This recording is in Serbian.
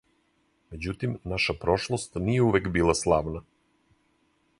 Међутим, наша прошлост није увек била славна.